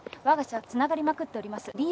わが社はつながりまくっております。